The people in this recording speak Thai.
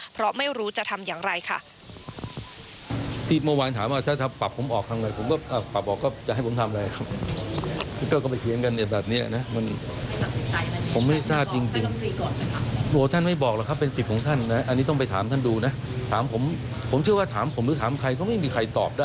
เพราะไม่รู้จะทำอย่างไรค่ะ